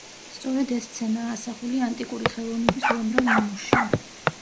სწორედ ეს სცენაა ასახული ანტიკური ხელოვნების უამრავ ნიმუშში.